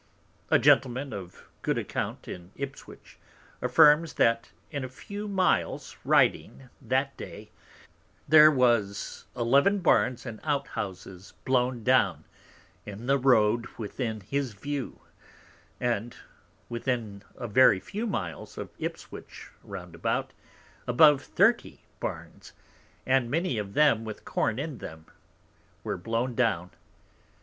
A Gentleman, of good Account, in Ipswich, affirms, that in a few Miles riding that Day, there was eleven Barns and Out houses blown down in the Road within his View; and within a very few Miles of Ipswich round about, above thirty Barns, and many of them with Corn in them, were blown down.